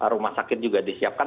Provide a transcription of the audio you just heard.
rumah sakit juga disiapkan